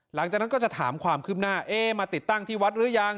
หลังจากนั้นก็จะถามความคืบหน้ามาติดตั้งที่วัดหรือยัง